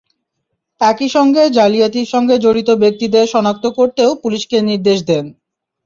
একই সঙ্গে জালিয়াতির সঙ্গে জড়িত ব্যক্তিদের শনাক্ত করতেও পুলিশকে নির্দেশ দেন।